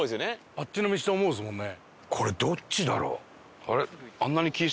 あっちの道と思いますもんね。